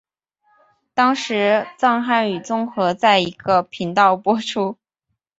当时藏汉语综合在一个频道播出。